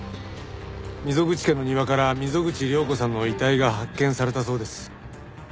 溝口家の庭から溝口亮子さんの遺体が発見されたそうです。